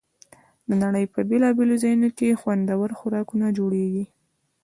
د نړۍ په بېلابېلو ځایونو کې خوندور خوراکونه جوړېږي.